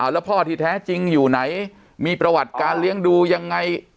แล้วพ่อที่แท้จริงอยู่ไหนมีประวัติการเลี้ยงดูยังไง